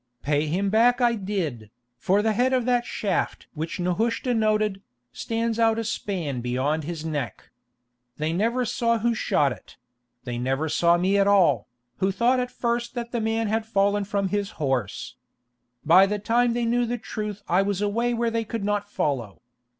Pay him back I did, for the head of that shaft which Nehushta noted, stands out a span beyond his neck. They never saw who shot it; they never saw me at all, who thought at first that the man had fallen from his horse. By the time they knew the truth I was away where they could not follow.